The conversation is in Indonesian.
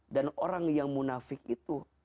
dan orang yang munafik itu